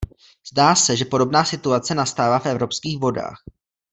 Zdá se, že podobná situace nastává v evropských vodách.